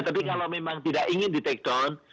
tapi kalau memang tidak ingin di take down